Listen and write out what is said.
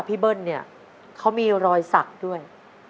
เบิ้ลเนี่ยเขามีรอยสักด้วย